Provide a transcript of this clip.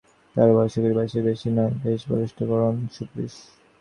তাহার বয়স একুশ-বাইশের বেশি নয়, বেশ বলিষ্ঠ গড়ন, সুপুরুষ।